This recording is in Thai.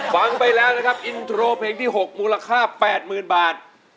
ฟังไปแล้วนะครับอินโทรเพลงที่๖มูลค่า๘๐๐๐บาท